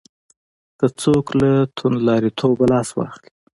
که څوک له توندلاریتوبه لاس واخلي.